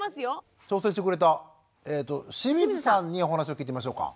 挑戦してくれた清水さんにお話を聞いてみましょうか。